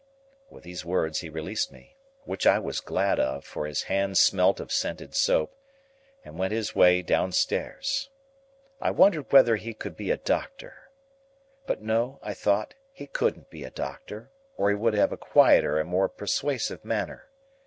With those words, he released me—which I was glad of, for his hand smelt of scented soap—and went his way downstairs. I wondered whether he could be a doctor; but no, I thought; he couldn't be a doctor, or he would have a quieter and more persuasive manner.